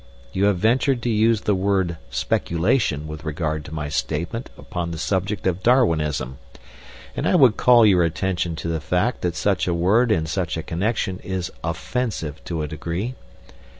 You have ventured to use the word 'speculation' with regard to my statement upon the subject of Darwinism, and I would call your attention to the fact that such a word in such a connection is offensive to a degree.